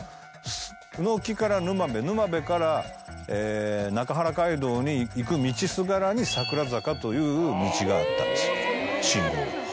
鵜の木から沼部沼部から中原街道に行く道すがらに桜坂という道があった信号が。